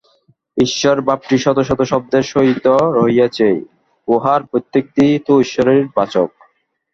ঈশ্বর-ভাবটি শত শত শব্দের সহিত রহিয়াছে, উহার প্রত্যকটিই তো ঈশ্বরের বাচক।